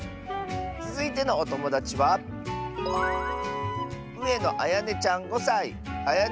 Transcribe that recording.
つづいてのおともだちはあやねちゃんの。